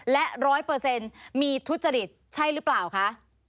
และ๑๐๐มีทุจริตใช่หรือเปล่าคะ